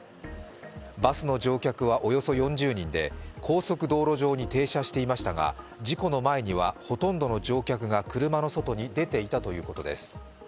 バスの乗客はおよそ４０人で高速道路上に停車していましたが事故の前にはほとんどの乗客が車の外に出ていたということです。